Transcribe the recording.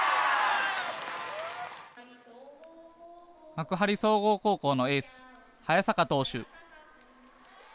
幕張総合高校のエース早坂投手。